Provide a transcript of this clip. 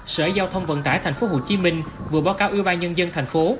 sở giao thông vận tải thành phố hồ chí minh vừa báo cáo ủy ban nhân dân thành phố